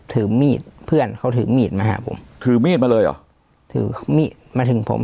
ถือมีดเพื่อนเขาถือมีดมาหาผมถือมีดมาเลยเหรอถือมีดมาถึงผม